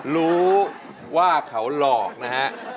รู้ว่าเขาหลอกนะฮะ